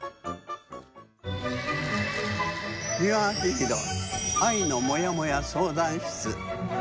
「美輪明宏愛のモヤモヤ相談室」